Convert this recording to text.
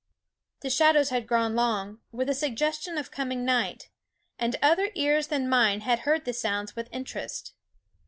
The shadows had grown long, with a sug gestion of coming night ; and other ears than mine had heard the sounds with interest.